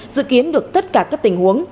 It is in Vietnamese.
dự kiến được tất cả các tình huống